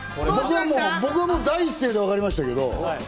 僕は、もう第一声で分かりましたけど。